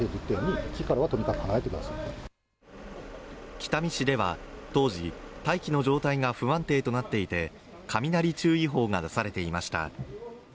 北見市では当時、大気の状態が不安定となっていて雷注意報が出されていました。